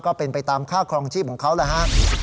ก็เป็นไปตามค่าครองชีพของเขาแหละฮะ